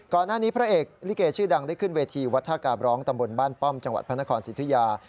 พระเอกลิเกชื่อดังได้ขึ้นเวทีวัดท่ากาบร้องตำบลบ้านป้อมจังหวัดพระนครสิทุยา